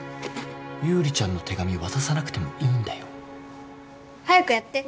優里ちゃんの手紙渡さなくてもいいんだよ？早くやって！